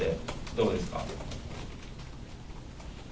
どうですか。